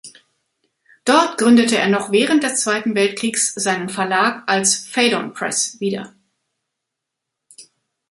Dort gründete er noch während des Zweiten Weltkriegs seinen Verlag als "Phaidon Press" wieder.